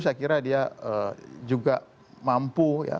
saya kira dia juga mampu ya